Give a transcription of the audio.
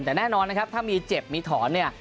แต่แน่นอนนะครับถ้ามีเจ็บมีถอนเนี่ย